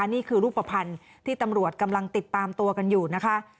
นี่คือรูปภัณฑ์ที่ตำรวจกำลังติดตามตัวกันอยู่นะคะ